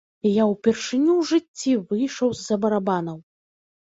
І я ўпершыню ў жыцці выйшаў з-за барабанаў!